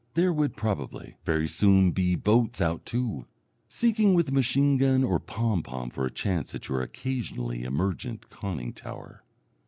There would, probably, very soon be boats out too, seeking with a machine gun or pompom for a chance at your occasionally emergent conning tower.